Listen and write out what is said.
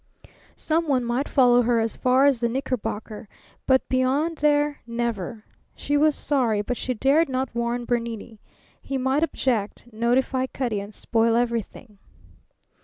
Someone might follow her as far as the Knickerbocker, but beyond there, never. She was sorry, but she dared not warn Bernini. He might object, notify Cutty, and spoil everything.